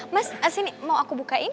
mas sini mau aku bukain